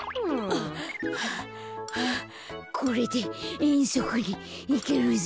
はあはあこれでえんそくにいけるぞ。